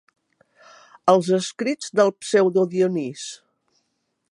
Els escrits del Pseudo Dionís.